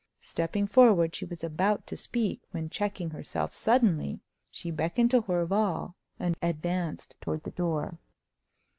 Stepping forward, she was about to speak, when, checking herself suddenly, she beckoned to Horval, and advanced towards the door.